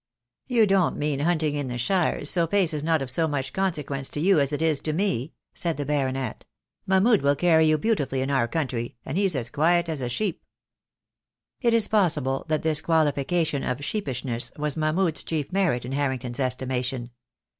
"You don't mean hunting in the shires, so pace is not of so much consequence to you as it is to me," said the 2 20 THE DAY WILL COME. baronet. "Mahmud will carry you beautifully in our country, and he's as quiet as a sheep." It is possible that this qualification of sheepishness was Mahmud's chief merit in Harrington's estimation.